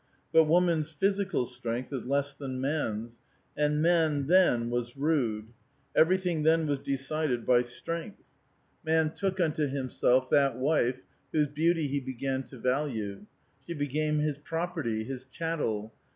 But woman's physical strength is less than man's ; and man then was rude. Everything then was decided by strength. Man A VITAL QUESTION. 873 took unto himself that wife, whose beauty he began to viilue. She became his property, his chattel.